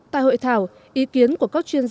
tại hội thảo ý kiến của các chuyên gia